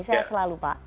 saya selalu pak